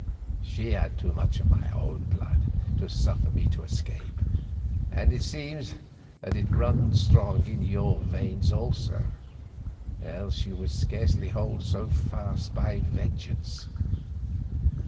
She had too much of my own blood to suffer me to escape, and it seems that it runs strong in your veins also, else you would scarcely hold so fast by vengeance.